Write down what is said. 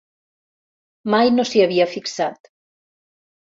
Mai no s'hi havia fixat.